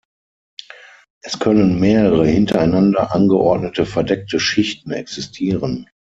Es können mehrere, hintereinander angeordnete verdeckte Schichten existieren.